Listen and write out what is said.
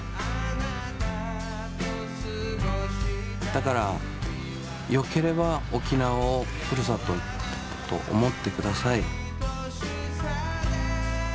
だからよければ沖縄をふるさとと思ってください。